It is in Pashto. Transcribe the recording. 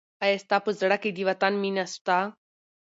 آیا ستا په زړه کې د وطن مینه شته؟